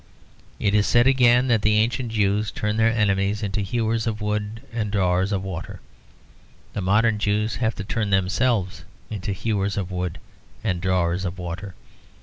It is said again that the ancient Jews turned their enemies into hewers of wood and drawers of water. The modern Jews have to turn themselves into hewers of wood and drawers of water.